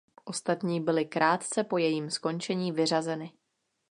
Ostatní byly krátce po jejím skončení vyřazeny.